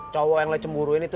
cowok yang lo cemburuin itu